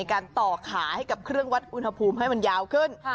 การต่อขาให้กับเครื่องวัดอุณหภูมิให้มันยาวขึ้น